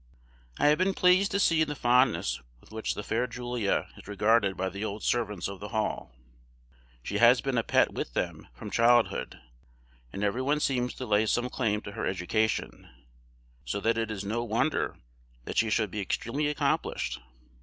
I have been pleased to see the fondness with which the fair Julia is regarded by the old servants of the Hall. She has been a pet with them from childhood, and every one seems to lay some claim to her education; so that it is no wonder that she should be extremely accomplished.